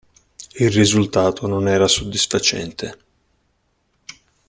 Il risultato non era soddisfacente.